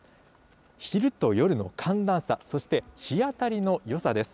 昼と夜の寒暖差、そして日当たりのよさです。